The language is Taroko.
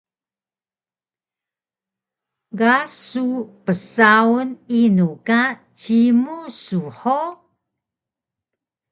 Ga su bsaun inu ka cimu su hug?